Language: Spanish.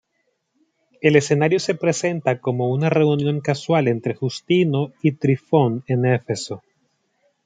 El escenario se presenta como una reunión casual entre Justino y Trifón en Éfeso.